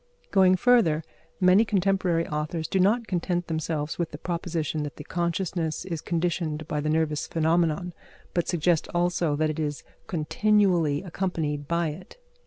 Going further, many contemporary authors do not content themselves with the proposition that the consciousness is conditioned by the nervous phenomenon, but suggest also that it is continually accompanied by it.